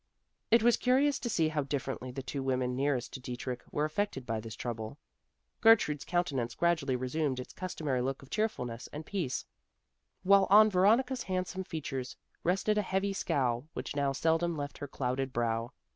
It was curious to see how differently the two women nearest to Dietrich were affected by this trouble. Gertrude's countenance gradually resumed its customary look of cheerfulness and peace, while on Veronica's handsome features rested a heavy scowl which now seldom left her clouded brow.